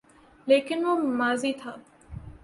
لیکن وہ ماضی تھا۔